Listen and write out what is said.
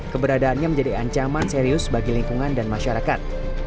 keberadaannya menjadi ancaman serius bagi lingkungan dan masyarakat